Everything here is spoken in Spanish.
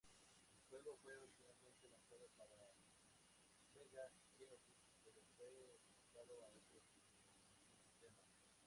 El juego fue originalmente lanzado para Sega Genesis, pero fue portado a otros sistemas.